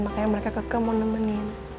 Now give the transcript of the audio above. makanya mereka kekegak mau nemenin